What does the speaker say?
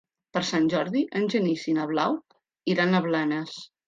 Per Sant Jordi en Genís i na Blau iran a Blanes.